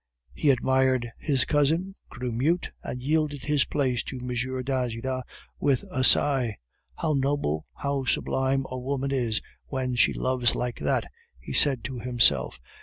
He admired his cousin, grew mute, and yielded his place to M. d'Ajuda with a sigh. "How noble, how sublime a woman is when she loves like that!" he said to himself.